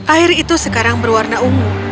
air itu sekarang berwarna ungu